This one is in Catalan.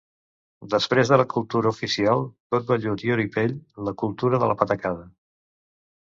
Després de la cultura oficial, tot vellut i oripell, la cultura de la patacada.